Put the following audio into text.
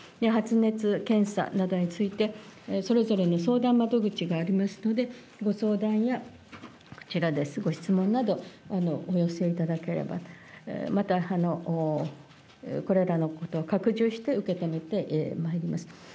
発熱検査などについて、それぞれの相談窓口がありますので、ご相談や、こちらです、ご質問など、お寄せいただければ、またこれらのことを拡充して承ってまいります。